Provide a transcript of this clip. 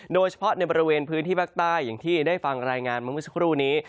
โดยเฉพาะในบริเวณพื้นที่ภาคใต้อย่างที่ได้ฟังรายงานมาเมื่อสักครู่นี้